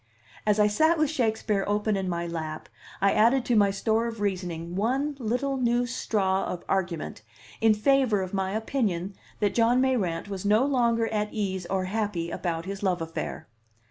As I sat with Shakespeare open in my lap, I added to my store of reasoning one little new straw of argument in favor of my opinion that John Mayrant was no longer at ease or happy about his love affair.